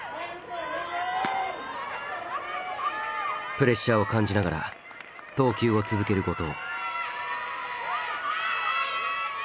プレッシャーを感じながら投球を続ける後藤。